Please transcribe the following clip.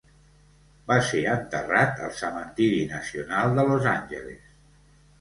Va ser enterrat al Cementiri Nacional de Los Angeles.